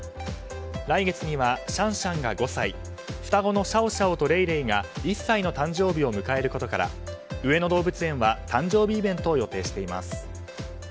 来月にはシャンシャンが５歳双子のシャオシャオとレイレイが１歳の誕生日を迎えることから、上野動物園は誕生日イベントを予定しています。